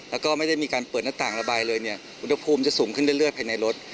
แล้วก็ไม่ได้มีการเปิดหน้าต่างระบายเลยเนี่ยอุณหภูมิจะสูงขึ้นเรื่อยภายในรถ